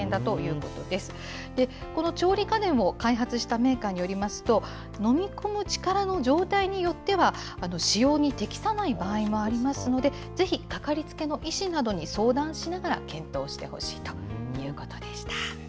この調理家電を開発したメーカーによりますと、飲み込む力の状態によっては、使用に適さない場合もありますので、ぜひ掛かりつけの医師などに相談しながら検討してほしいということでした。